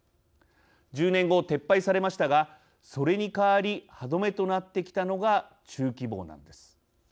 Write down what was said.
１０年後、撤廃されましたがそれに代わり歯止めとなってきたのが中期防なんです。